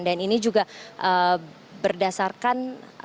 dan ini juga berdasarkan